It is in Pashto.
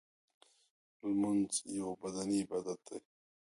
لمونځ یو بدنی عبادت دی .